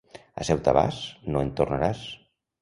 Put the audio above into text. A Ceuta vas, no en tornaràs.